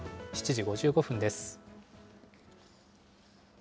７時５５分です。